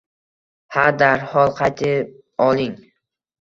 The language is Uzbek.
Ha, darhol qaytib oling